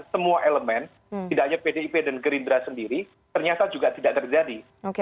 semua elemen tidak hanya pdip dan gerindra sendiri ternyata juga tidak terjadi